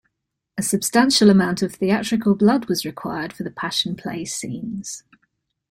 A substantial amount of theatrical blood was required for the Passion play scenes.